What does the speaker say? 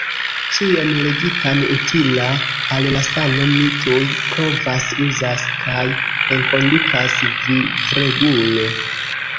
Ĉion legitan utila al la sano mi tuj provas-uzas kaj enkondukas vivregulo.